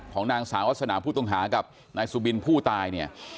ของนางสาวอศรรย์พู่ตรงหากับนายสุบินผู้ตาย